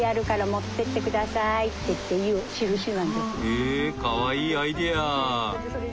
へえかわいいアイデア。